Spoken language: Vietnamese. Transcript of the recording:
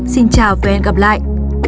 xin chào và hẹn gặp lại